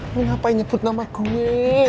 lu ngapain nyebut nama gue